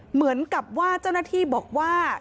เหมือนกับว่าเจ้าหน้าที่บอกว่า